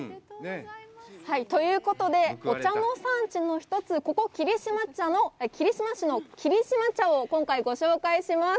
ということで、お茶の産地の１つ、ここ霧島市の霧島茶を今回、ご紹介します。